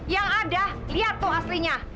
yang ada lihat tuh aslinya